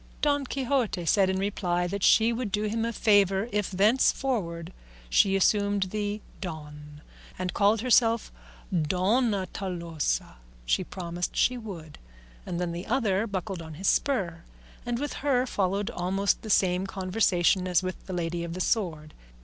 Don Quixote said in reply that she would do him a favour if thenceforward she assumed the "Don" and called herself Dona Tolosa. She promised she would, and then the other buckled on his spur, and with her followed almost the same conversation as with the lady of the sword.